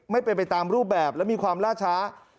ไม่เป็นไปตามรูปแบบและมีความล่าช้า